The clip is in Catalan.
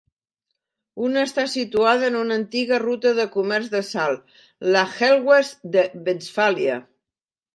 Unna està situada en una antiga ruta de comerç de sal, la Hellweg de Westfàlia.